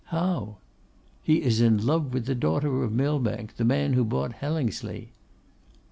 'How?' 'He is in love with the daughter of Millbank, the man who bought Hellingsley.